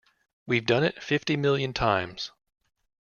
We've done it fifty-million times!